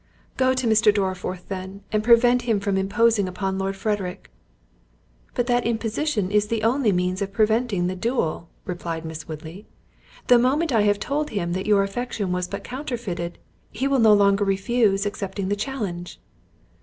"Go to Mr. Dorriforth then, and prevent him from imposing upon Lord Frederick." "But that imposition is the only means of preventing the duel," replied Miss Woodley. "The moment I have told him that your affection was but counterfeited, he will no longer refuse accepting the challenge."